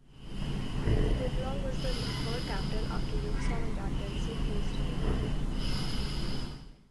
Tumlong was the third capital after Yuksom and Rabdentse close to Nepal.